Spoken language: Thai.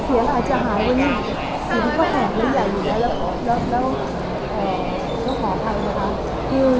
สีนี้ก็แหลกแล้วใหญ่อยู่แล้ว